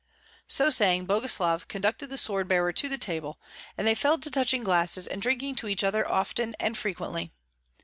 So saying, Boguslav conducted the sword bearer to the table, and they fell to touching glasses and drinking to each other often and frequently.